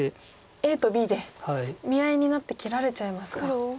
ＡとＢで見合いになって切られちゃいますか。